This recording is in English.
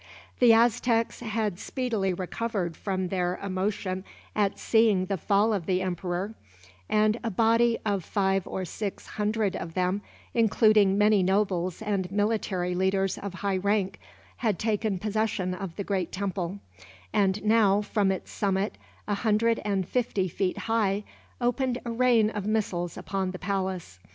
The Aztecs had speedily recovered from their emotion at seeing the fall of the emperor, and a body of five or six hundred of them, including many nobles and military leaders of high rank, had taken possession of the great temple; and now from its summit, a hundred and fifty feet high, opened a rain of missiles upon the palace.